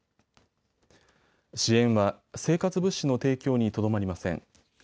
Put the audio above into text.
支援は生活物資の提供にとどまりません。